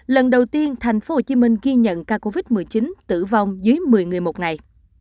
lần đầu tiên tp hcm ghi nhận ca covid một mươi chín tử vong dưới một mươi người một ngày